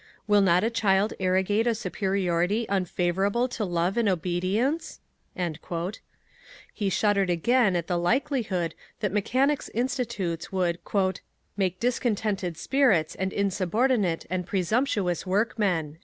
_ Will not a child arrogate a superiority unfavourable to love and obedience?" He shuddered again at the likelihood that Mechanics' Institutes would "make discontented spirits and insubordinate and presumptuous workmen."